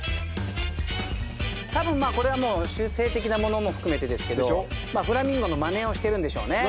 たぶん習性的なものも含めてフラミンゴのまねをしてるんでしょうね。